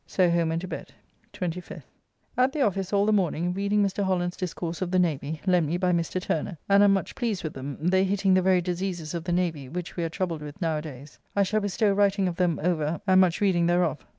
So home and to bed. 25th. At the office all the morning, reading Mr. Holland's' discourse of the Navy, lent me by Mr. Turner, and am much pleased with them, they hitting the very diseases of the Navy, which we are troubled with now a days. I shall bestow writing of them over and much reading thereof.